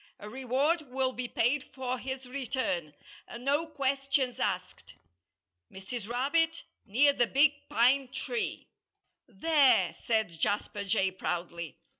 A reward will be paid for his return, and no questions asked. MRS. RABBIT, Near the Big Pine Tree. "There!" said Jasper Jay, proudly.